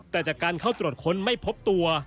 แต่จากการเข้าตรวจค้นไม่พบตัว